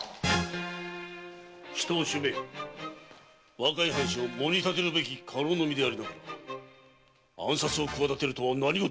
若い藩主をもり立てるべき家老の身でありながら暗殺を企てるとは何事！